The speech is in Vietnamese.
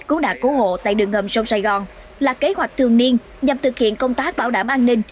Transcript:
cứu nạn cứu hộ tại đường hầm sông sài gòn là kế hoạch thường niên nhằm thực hiện công tác bảo đảm an ninh